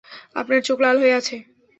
আপনার চোখ লাল হয়ে আছে।